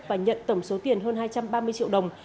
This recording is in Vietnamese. và nhận tổng số tiền hơn hai trăm ba mươi triệu đồng